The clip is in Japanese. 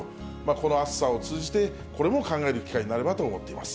この暑さを通じて、これも考える機会になればと思っています。